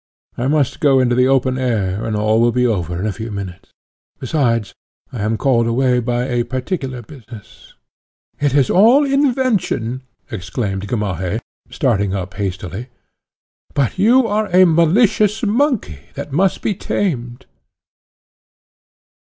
I must go into the open air, and all will be over in a few minutes. Besides, I am called away by a particular business." "It is all invention!" exclaimed Gamaheh, starting up hastily. "But you are a malicious monkey, that must be tamed."